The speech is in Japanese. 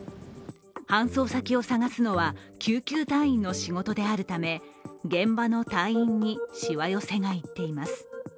搬送先を探すのは救急隊員の仕事であるため現場の隊員にしわ寄せがいっています。